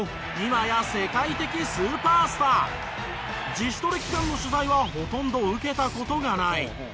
自主トレ期間の取材はほとんど受けた事がない。